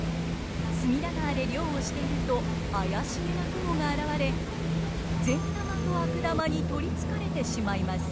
隅田川で漁をしていると怪しげな雲が現れ善玉と悪玉に取りつかれてしまいます。